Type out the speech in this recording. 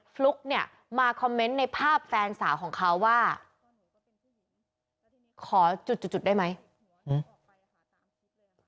ฟลุ๊กเนี่ยมาคอมเมนต์ในภาพแฟนสาวของเขาว่าขอจุดจุดจุดได้ไหม